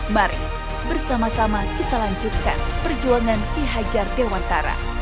mari bersama sama kita lanjutkan perjuangan ki hajar dewantara